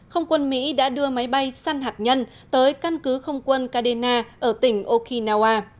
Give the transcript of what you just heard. không quân mỹ đã đưa máy bay săn hạt nhân tới căn cứ không quân kadena ở tỉnh okinawa